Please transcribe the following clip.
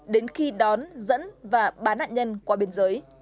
đến khi đón dẫn và bán nạn nhân qua biên giới